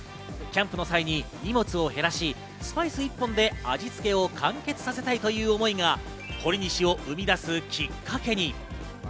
キャンプの際に荷物を減らし、スパイス一本で味つけを完結させたいという思いが、ほりにしを生み出すきっかけに。